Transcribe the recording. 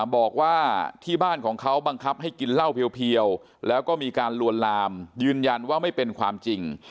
บอกว่าที่บ้านของเขาบังคับให้กินเหล้าเพียวแล้วก็มีการลวนลามยืนยันว่าไม่เป็นความจริง